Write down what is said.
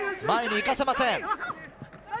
前に行かせません。